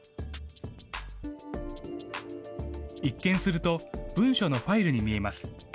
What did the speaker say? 一見すると、文書のファイルに見えます。